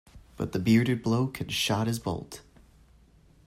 But the bearded bloke had shot his bolt.